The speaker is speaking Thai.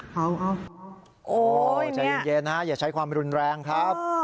ใจเย็นอย่าใช้ความรุนแรงครับ